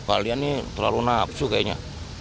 kalian ini terlalu nafsu kayaknya